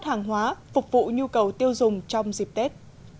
sản xuất hàng hóa phục vụ nhu cầu tiêu dùng trong dịp tết